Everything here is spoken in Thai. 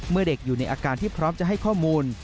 เมื่อเด็กอยู่ในอาการที่พร้อมจะให้ข้อมูล